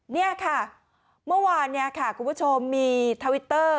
นี่ค่ะเมื่อวานเนี่ยค่ะคุณผู้ชมมีทวิตเตอร์